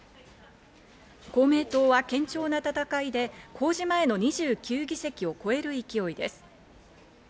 公明党は堅調な戦いで公示前の２９議席を超える勢いです。